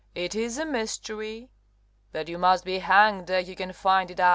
Hang. It is a mystery : but you must be hang'd Ere you can find it out.